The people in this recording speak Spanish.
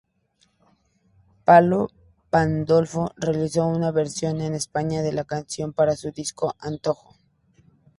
Palo Pandolfo realizó una versión en español de la canción para su disco "Antojo".